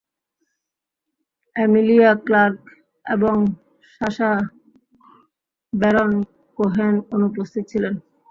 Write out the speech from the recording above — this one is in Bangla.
এমিলিয়া ক্লার্ক এবং সাশা ব্যারন কোহেন অনুপস্থিত ছিলেন।